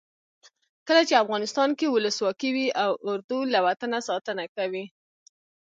کله چې افغانستان کې ولسواکي وي اردو له وطنه ساتنه کوي.